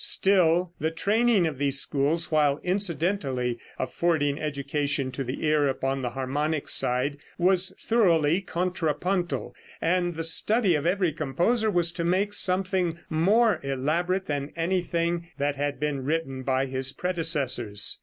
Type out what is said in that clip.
Still the training of these schools, while incidentally affording education to the ear upon the harmonic side, was thoroughly contrapuntal, and the study of every composer was to make something more elaborate than anything that had been written by his predecessors.